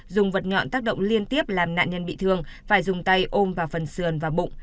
dùng vật tác động liên tiếp làm nạn nhân bị thương phải dùng tay ôm vào phần sườn và bụng